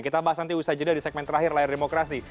kita bahas nanti usaha jeda di segmen terakhir layar demokrasi